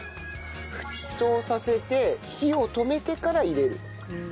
沸騰させて火を止めてから入れる。